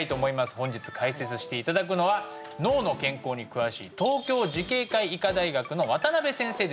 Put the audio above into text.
本日解説していただくのは脳の健康に詳しい東京慈恵会医科大学の渡邉先生です